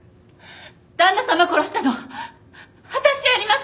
旦那様殺したの私じゃありません！